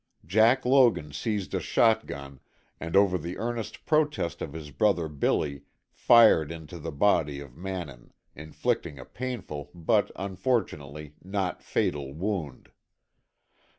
Jack Logan seized a shotgun, and over the earnest protest of his brother Billy, fired into the body of Mannin, inflicting a painful, but, unfortunately, not fatal wound.